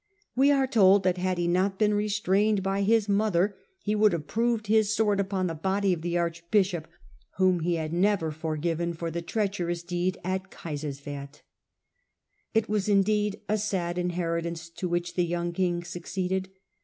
We are told that, had he not been restrained by his mother, by'Coogk 68 HlLDEBRAND he would have proved his sword upon the body of t' archbishop, whom he had never forgiven for the trep cherons deed at Kaiserswerth. It was indeed a sad inheritance to which the young king succeeded.